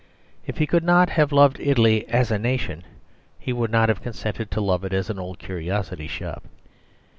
If he could not have loved Italy as a nation, he would not have consented to love it as an old curiosity shop.